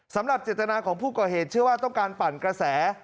สำหรับเจตนาของผู้ก่อเหตุเชื่อว่าต้องการปั่นกระแส